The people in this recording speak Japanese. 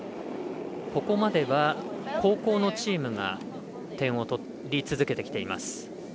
ここまでは後攻のチームが点を取り続けてきています。